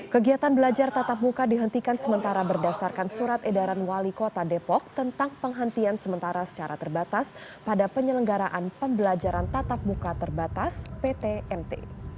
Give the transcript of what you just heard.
kegiatan belajar tatap muka dihentikan sementara berdasarkan surat edaran wali kota depok tentang penghentian sementara secara terbatas pada penyelenggaraan pembelajaran tatap muka terbatas ptmt